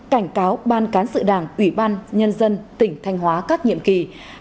cảnh cáo ban cán sự đảng ủy ban nhân dân tỉnh thanh hóa các nhiệm kỳ